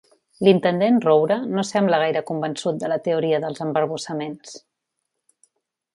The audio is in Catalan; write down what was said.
L'intendent Roure no sembla gaire convençut de la teoria dels embarbussaments.